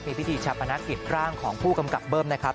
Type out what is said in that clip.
มีพิธีชาปนกิจร่างของผู้กำกับเบิ้มนะครับ